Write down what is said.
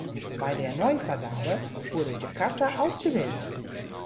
Bei der Neuvergabe wurde Jakarta ausgewählt.